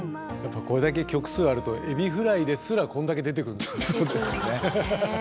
これだけ曲数あると「エビフライ」ですらこんだけ出てくるんですね。